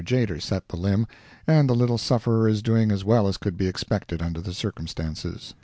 Tjader set the limb, and the little sufferer is doing as well as could be expected under the circumstances.